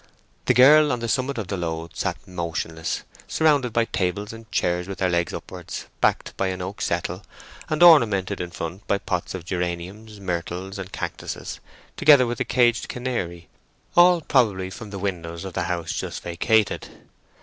The girl on the summit of the load sat motionless, surrounded by tables and chairs with their legs upwards, backed by an oak settle, and ornamented in front by pots of geraniums, myrtles, and cactuses, together with a caged canary—all probably from the windows of the house just vacated.